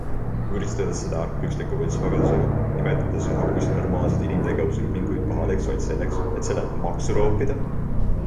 Vürtsidades seda argpükslikku võltsvagadusega, nimetades ühe uusi normaalseid inimtegevuse ilminguid pahedeks vaid selleks, et sellelt maksu roopida?.